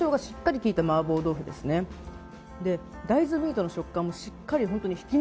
サンショウがしっかり利いたマーボー豆腐ですね。